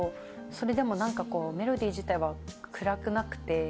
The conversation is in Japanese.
それでもメロディー自体は暗くなくて。